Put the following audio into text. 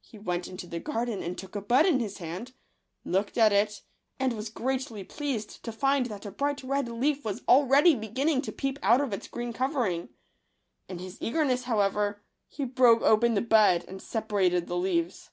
He went into the garden and took a bud in his hand, looked at it, and was greatly pleased to find that a bright red leaf was already beginning to peep out of its green covering. In his eagerness, however, he broke open the bud and separated the leaves.